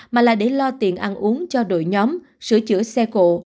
mà là để lo tiền ăn uống cho đội nhóm sửa chữa xe cộ